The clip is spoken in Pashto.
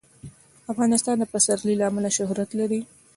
افغانستان د پسرلی له امله شهرت لري.